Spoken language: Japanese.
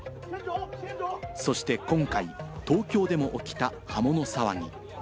そして今回、東京でも起きた刃物騒ぎ。